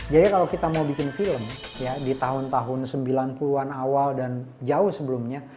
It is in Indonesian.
jadi kalau kita mau bikin film di tahun tahun sembilan puluh an awal dan jauh sebelumnya